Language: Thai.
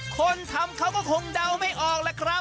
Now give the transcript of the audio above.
คนทำเขาก็คงเดาไม่ออก